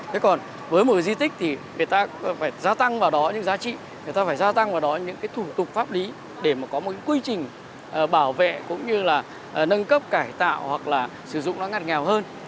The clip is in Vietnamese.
thế còn với một di tích thì người ta phải gia tăng vào đó những giá trị người ta phải gia tăng vào đó những cái thủ tục pháp lý để mà có một cái quy trình bảo vệ cũng như là nâng cấp cải tạo hoặc là sử dụng nó ngặt nghèo hơn